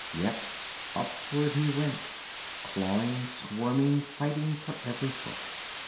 Yet upward he went, clawing, squirming, fighting for every foot.